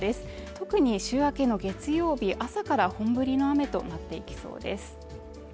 特に週明けの月曜日朝から本降りの雨となっていきそうです